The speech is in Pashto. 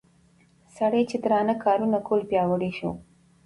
سړي چې درانه کارونه کول پياوړى شو